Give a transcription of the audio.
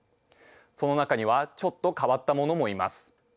その中にはちょっと変わったものもいます。